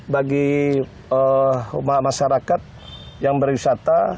bagi masyarakat yang berwisata